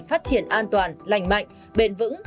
phát triển an toàn lành mạnh bền vững